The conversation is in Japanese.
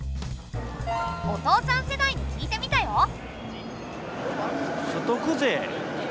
お父さん世代に聞いてみたよ。